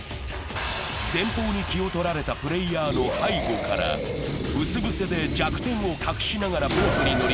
前方に気を取られたプレイヤーの背後からうつ伏せで弱点を隠しながらボートに乗り